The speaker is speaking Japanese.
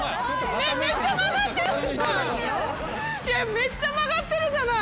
めっちゃ曲がってるじゃない！